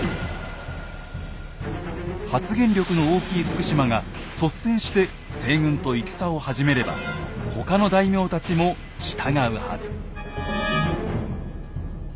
発言力の大きい福島が率先して西軍と戦を始めれば他の大名たちも従うはず。